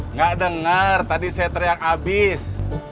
enggak dengar tadi saya teriak abis